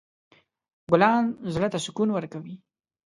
ګلان زړه ته سکون ورکوي.